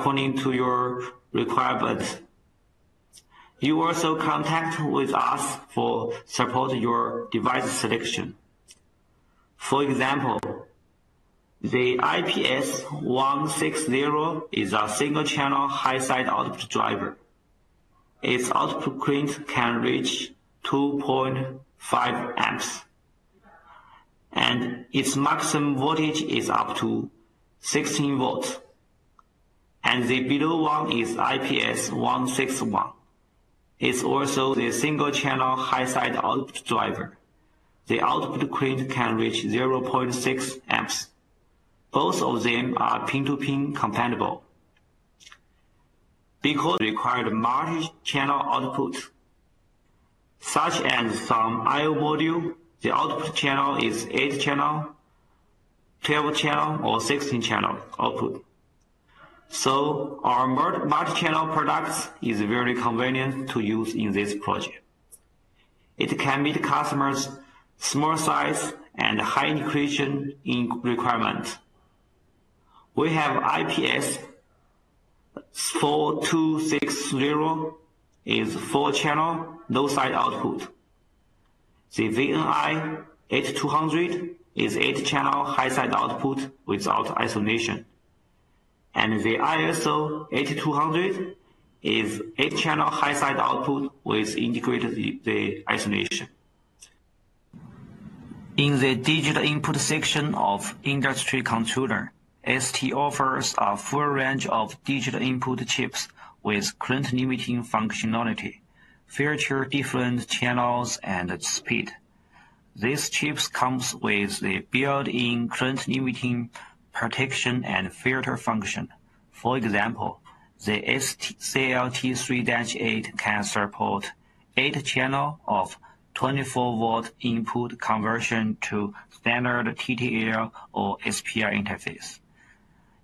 According to your requirements, you also contact with us for support your device selection. For example, the IPS160 is a single-channel high-side output driver. Its output current can reach 2.5 amps, and its maximum voltage is up to 60 volts. The below one is IPS161. It's also the single-channel high-side output driver. The output current can reach 0.6 amps. Both of them are pin-to-pin compatible. Because it requires multi-channel output, such as from I/O module, the output channel is 8-channel, 12-channel, or 16-channel output. Our multi-channel product is very convenient to use in this project. It can meet customers' small size and high accretion requirements. We have IPS4260, which is four-channel, low-side output. The VNI8200 is an eight-channel high-side output without isolation. The ISO8200 is an eight-channel high-side output with integrated isolation. In the digital input section of industry controller, ST offers a full range of digital input chips with current limiting functionality, filter different channels and speed. These chips come with the built-in current limiting protection and filter function. For example, the SCLT3-8 can support eight channels of 24-volt input conversion to standard TTL or SPI interface.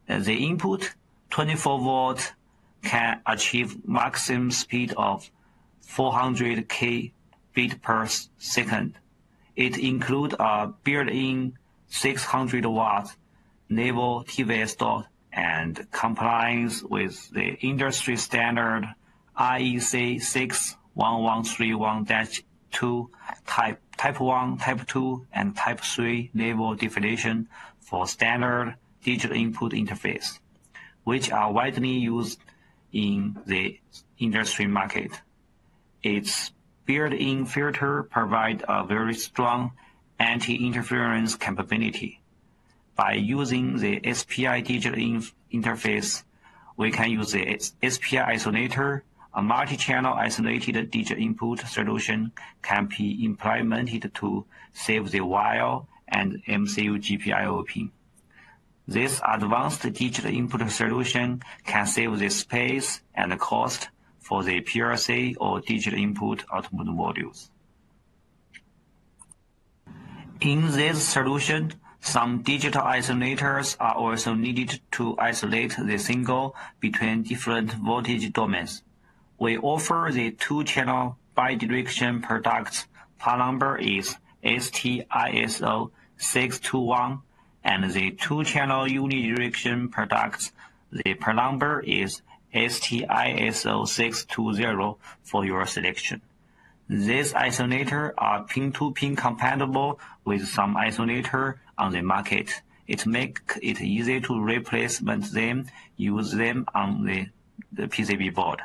The input 24 volts can achieve maximum speed of 400 kbps. It includes a built-in 600-watt label TVS dock and complies with the industry standard IEC 61131-2 Type 1, Type 2, and Type 3 label definition for standard digital input interface, which are widely used in the industry market. Its built-in filter provides a very strong anti-interference capability. By using the SPI digital interface, we can use the SPI isolator. A multi-channel isolated digital input solution can be implemented to save the Wio and MCU GPIO pin. This advanced digital input solution can save the space and cost for the PRC or digital input output modules. In this solution, some digital isolators are also needed to isolate the signal between different voltage domains. We offer the two-channel bi-direction product; part number is STISO621, and the two-channel uni-direction product; the part number is STISO620 for your selection. These isolators are pin-to-pin compatible with some isolators on the market. It makes it easy to replace them and use them on the PCB board.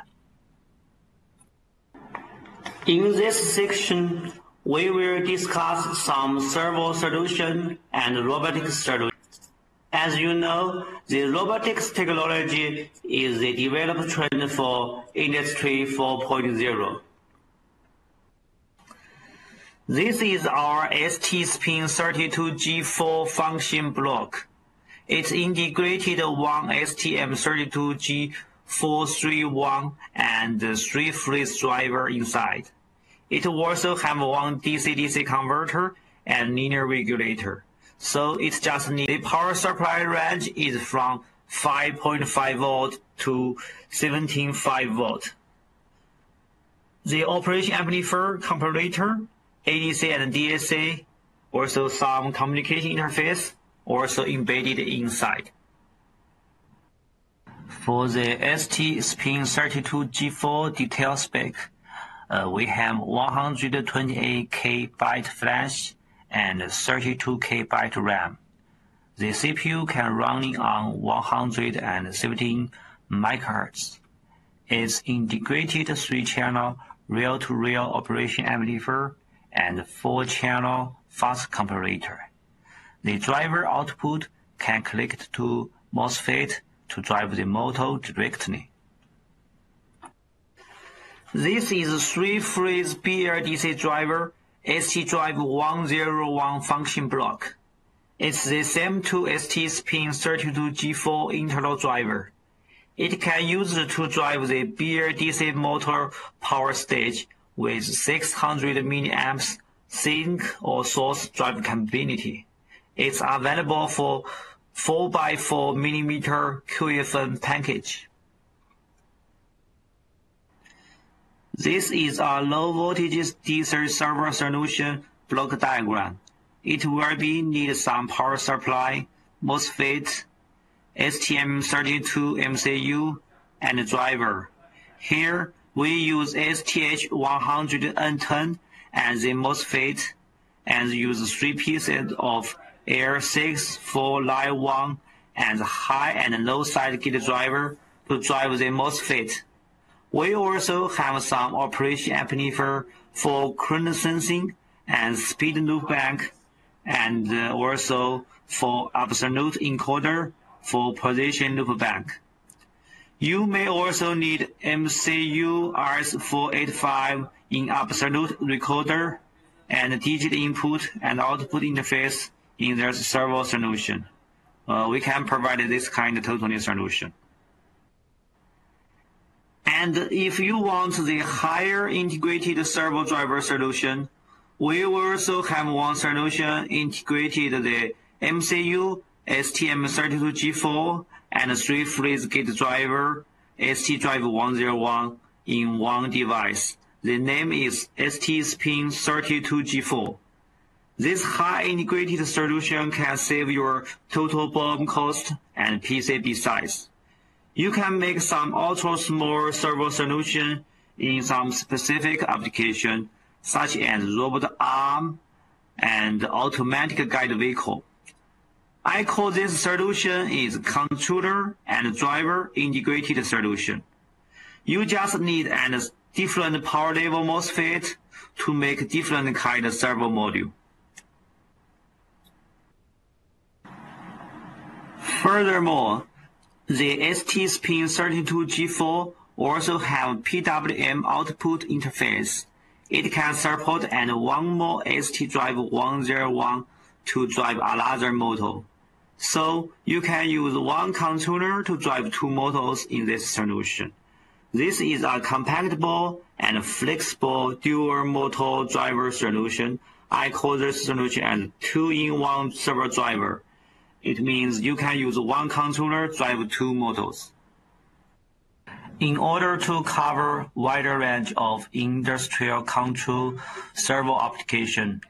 In this section, we will discuss some servo solutions and robotics. As you know, the robotics technology is the developed trend for Industry 4.0. This is our STSPIN32G4 function block. It's integrated one STM32G431 and three-phase drivers inside. It also has one DC-DC converter and linear regulator. The power supply range is from 5.5 volts to 75 volts. The operation amplifier, comparator, ADC and DAC, also some communication interface, also embedded inside. For the STSPIN32G4 detail spec, we have 128 KB flash and 32 KB RAM. The CPU can run on 170 MHz. It's integrated three-channel rail-to-rail operation amplifier and four-channel fast comparator. The driver output can connect to MOSFET to drive the motor directly. This is a three-phase BLDC driver, STDRIVE101 function block. It's the same to STSPIN32G4 internal driver. It can use to drive the BLDC motor power stage with 600 milliamps sink or source drive capability. It's available for 4x4 millimeter VFQFPN package. This is our low voltage DC servo solution block diagram. It will be needed some power supply, MOSFET, STM32 MCU, and driver. Here we use STH110 and the MOSFET and use three pieces of L6491 and high and low side gate driver to drive the MOSFET. We also have some operational amplifier for current sensing and speed loop bank, and also for absolute encoder for position loop bank. You may also need MCU RS-485 in absolute recorder and digital input and output interface in the servo solution. We can provide this kind of totally solution. If you want the higher integrated servo driver solution, we also have one solution integrated the MCU STM32G4 and three-phase gate driver STDRIVE101 in one device. The name is STSPIN32G4. This high integrated solution can save your total BOM cost and PCB size. You can make some ultra-small servo solution in some specific application, such as robot arm and automatic guided vehicle. I call this solution a controller and driver integrated solution. You just need a different power level MOSFET to make a different kind of servo module. Furthermore, the STSPIN32G4 also has a PWM output interface. It can support one more STDRIVE101 to drive another motor. You can use one controller to drive two motors in this solution. This is a compatible and flexible dual motor driver solution. I call this solution a two-in-one servo driver. It means you can use one controller, drive two motors. In order to cover a wider range of industrial control servo application,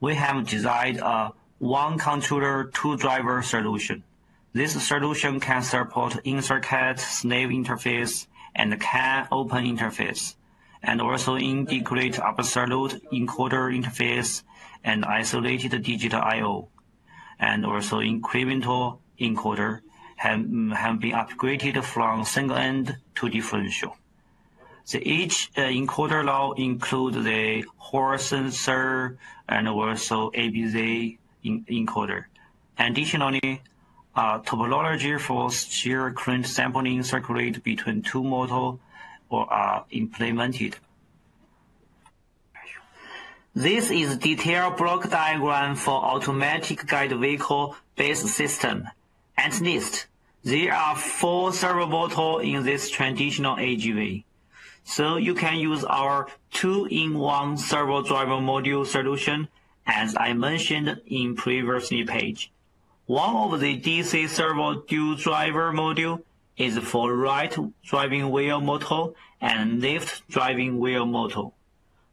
we have designed a one-controller, two-driver solution. This solution can support EtherCAT, SNAP interface, and CANopen interface, and also integrate absolute encoder interface and isolated digital I/O, and also incremental encoder have been upgraded from single end to differential. Each encoder now includes the Hall sensor and also ABZ encoder. Additionally, topology for shared current sampling circulate between two motors are implemented. This is a detailed block diagram for automatic guided vehicle base system. There are four servo motors in this traditional AGV. You can use our two-in-one servo driver module solution, as I mentioned in the previous page. One of the DC servo dual driver modules is for right driving wheel motor and left driving wheel motor.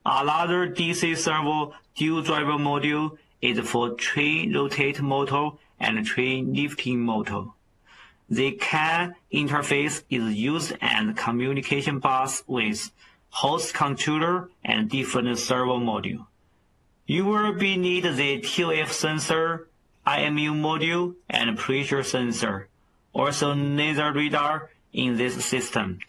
Another DC servo dual driver module is for three rotate motor and three lifting motor. The CAN interface is used as a communication bus with host controller and different servo modules. You will be needed the TOF sensor, IMU module, and pressure sensor, also laser radar in this system.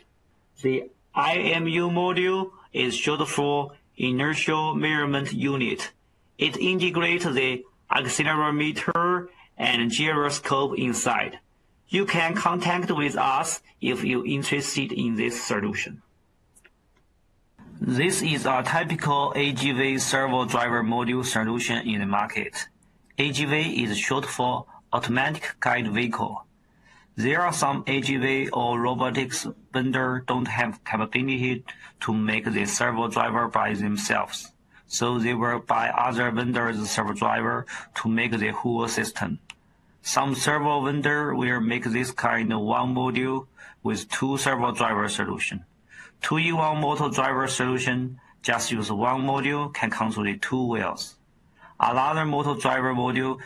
The IMU module is short for Inertial Measurement Unit. It integrates the accelerometer and gyroscope inside. You can contact with us if you're interested in this solution. This is a typical AGV servo driver module solution in the market. AGV is short for Automatic Guided Vehicle. There are some AGV or robotics vendors who don't have the capability to make the servo driver by themselves. So they will buy other vendors' servo drivers to make the whole system. Some servo vendors will make this kind of one module with two servo driver solutions. Two-in-one motor driver solution just uses one module and can control two wheels. Another motor driver module,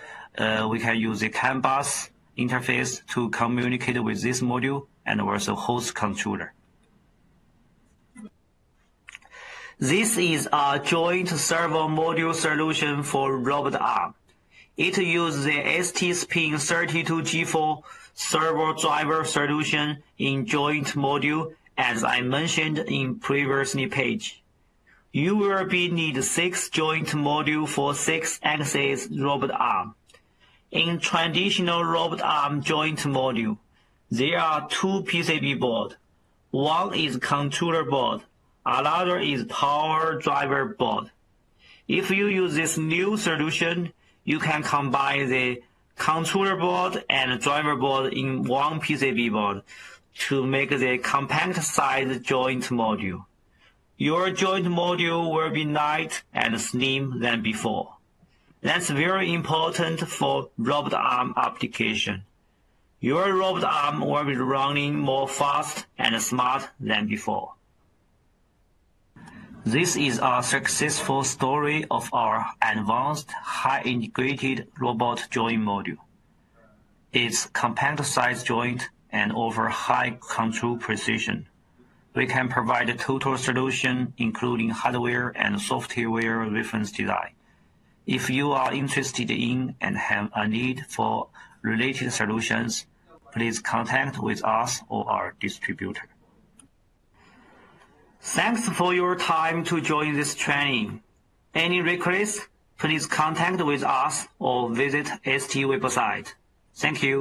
we can use the CAN bus interface to communicate with this module and also host controller. This is a joint servo module solution for robot arm. It uses the STSPIN32G4 servo driver solution in joint module, as I mentioned in the previous page. You will be needed six joint modules for six axes robot arm. In traditional robot arm joint module, there are two PCB boards. One is controller board. Another is power driver board. If you use this new solution, you can combine the controller board and driver board in one PCB board to make the compact-sized joint module. Your joint module will be lighter and slimmer than before. That's very important for robot arm application. Your robot arm will be running more fast and smart than before. This is a successful story of our advanced high-integrated robot joint module. It's compact-sized joint and offers high control precision. We can provide a total solution including hardware and software reference design. If you are interested in and have a need for related solutions, please contact with us or our distributor. Thanks for your time to join this training. Any requests, please contact with us or visit the STMicroelectronics website. Thank you.